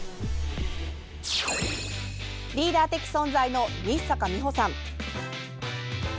リーダー的存在の日坂美穂さん。